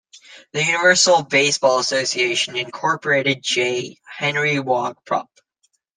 The Universal Baseball Association, Incorporated J. Henry Waugh, Prop.